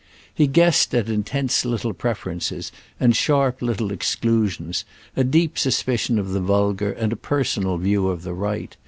He guessed at intense little preferences and sharp little exclusions, a deep suspicion of the vulgar and a personal view of the right.